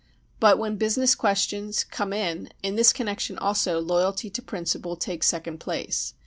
But when business questions come in, in this connection also loyalty to principle takes second place.